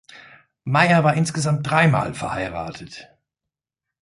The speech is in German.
Meyer war insgesamt dreimal verheiratet.